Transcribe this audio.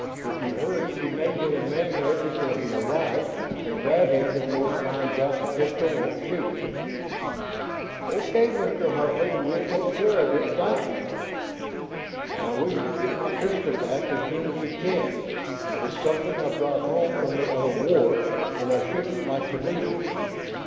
If you hurry, you may get a man there before he arrives, and grab him before he finds out the pistol won't shoot." "O. K., Mr. Hartley. We'll take care of it. Thanks." "And I wish you'd get my pistol back, as soon as you can. It's something I brought home from the other War, and I shouldn't like to lose it."